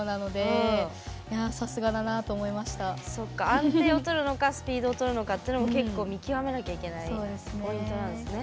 安定をとるのかスピードをとるのかっていうのも結構見極めなきゃいけないポイントなんですね。